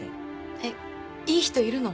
えっいい人いるの？